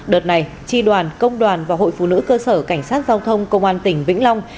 đợt này tri đoàn công đoàn và hội phụ nữ cơ sở cảnh sát giao thông công an tỉnh vĩnh long